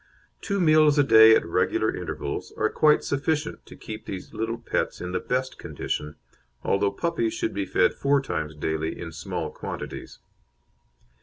Two meals a day at regular intervals are quite sufficient to keep these little pets in the best condition, although puppies should be fed four times daily in small quantities.